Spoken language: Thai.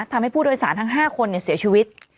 ทำให้ผู้โดยสารทั้ง๕คนเสียชีวิต